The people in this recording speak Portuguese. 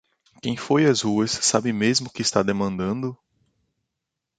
Quem foi às ruas sabe mesmo o que está demandando?